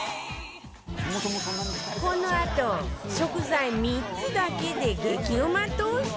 このあと食材３つだけで激うまトースト